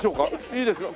いいですか？